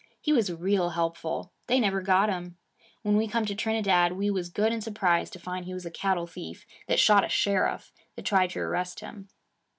He was real helpful. They never got him. When we come to Trinidad, we was good and surprised to find he was a cattle thief that shot a sheriff that tried to arrest him.'